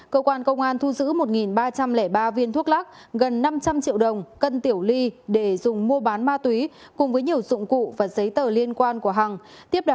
cơ quan công an thu giữ một ba trăm linh ba viên thuốc lắc gần năm trăm linh triệu đồng cân tiểu ly để dùng mua bán ma túy cùng với nhiều dụng cụ và giấy